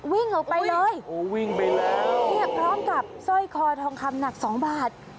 วิ่งออกไปเลยพร้อมกับสร้อยคอทองคำหนัก๒บาท